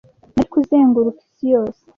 nari kuzenguruka isi yose